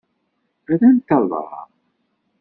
Rrant aḍar.